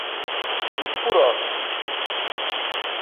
Ит пуро!